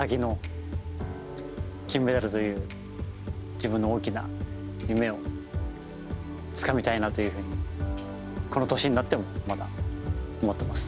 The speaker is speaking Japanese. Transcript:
自分の大きな夢をつかみたいなというふうにこの年になってもまだ思っています。